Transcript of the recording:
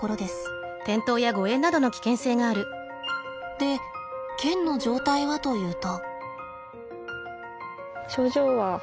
で腱の状態はというと。